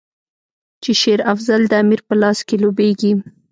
چې شېر افضل د امیر په لاس کې لوبیږي.